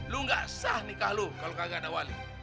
lo enggak sah nikah lo kalau enggak ada wali